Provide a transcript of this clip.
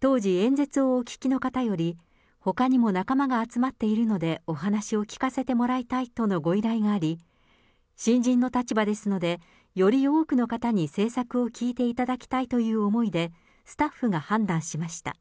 当時、演説をお聞きの方より、ほかにも仲間が集まっているので、お話を聞かせてもらいたいとのご依頼があり、新人の立場ですので、より多くの方に政策を聞いていただきたいという思いで、スタッフが判断しました。